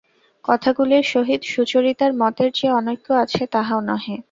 কথাগুলির সহিত সুচরিতার মতের যে অনৈক্য আছে তাহাও নহে।